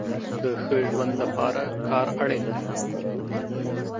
د ښه ژوند د پاره کار اړين دی